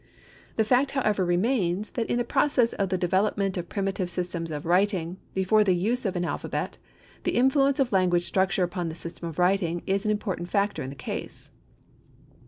The fact however remains, that in the process of the development of primitive systems of writing, before the use of an alphabet, the influence of language structure upon the systems of writing is an important factor in the case.